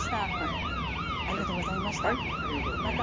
西出さんありがとうございました。